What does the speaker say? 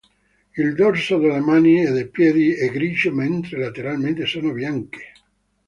Il dorso delle mani e dei piedi è grigio mentre lateralmente sono bianche.